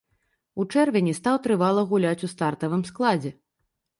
У чэрвені стаў трывала гуляць у стартавым складзе.